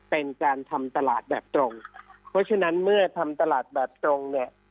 เป็นการทำตลาดแบบตรงเพราะฉะนั้นเมื่อทำตลาดแบบตรงเนี่ย